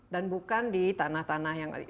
dan bukan di tanah tanah yang